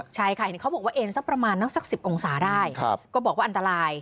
ใช่ค่ะเห็นเขาบอกว่าเอ็นสักประมาณสัก๑๐องศาได้ก็บอกว่าอันตราย